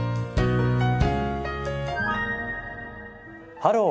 「ハロー！